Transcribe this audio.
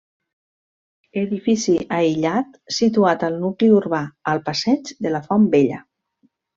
Edifici aïllat situat al nucli urbà, al passeig de la Font Vella.